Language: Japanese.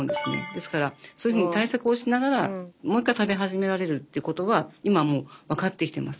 ですからそういうふうに対策をしながらもう一回食べ始められるっていうことは今もう分かってきてます。